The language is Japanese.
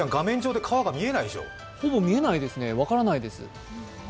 ほぼ見えないですね、分からないです。